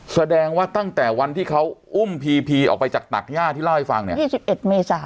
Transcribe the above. แสดงว่าตั้งแต่วันที่เขาอุ้มพีพีออกไปจากตักย่าที่เล่าให้ฟังเนี่ย๒๑เมษา